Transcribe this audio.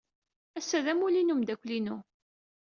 Ass-a d amulli n umeddakel-inu.